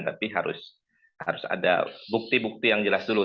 tapi harus ada bukti bukti yang jelas dulu